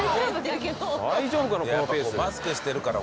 大丈夫かな？